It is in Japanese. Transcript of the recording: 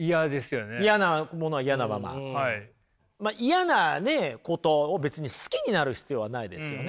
嫌なねことを別に好きになる必要はないですよね。